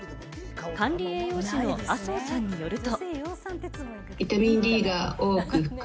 管理栄養士の麻生さんによると。